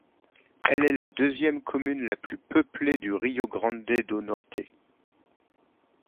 Elle est la deuxième commune la plus peuplée du Rio Grande do Norte.